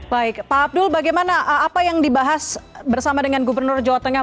baik pak abdul bagaimana apa yang dibahas bersama dengan gubernur jawa tengah